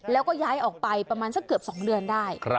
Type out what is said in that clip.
แล้วก็ย้ายออกไปประมาณสักเกือบ๒เดือนได้